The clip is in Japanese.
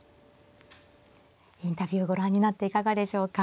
インタビューをご覧になっていかがでしょうか。